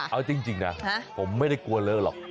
เอาจริงนะผมไม่ได้กลัวเลอะหรอก